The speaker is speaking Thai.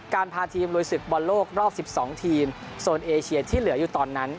พาทีมลุยศึกบอลโลกรอบ๑๒ทีมโซนเอเชียที่เหลืออยู่ตอนนั้น